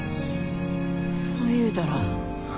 そう言うたら。